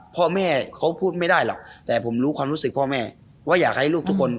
พ่อแม่เขาพูดไม่ได้หรอกแต่ผมรู้ความรู้สึกพ่อแม่ว่าอยากให้ลูกทุกคน